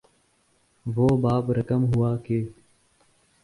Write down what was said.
وہ باب رقم ہوا کہ